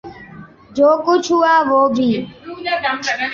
جو کچھ ہوا، وہ بھی